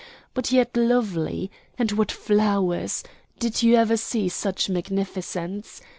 But yet lovely. And what flowers! Did you ever see such magnificence?